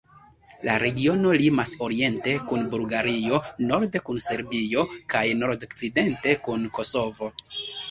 La regiono limas oriente kun Bulgario, norde kun Serbio kaj nordokcidente kun Kosovo.